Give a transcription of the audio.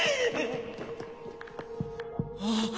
あっ！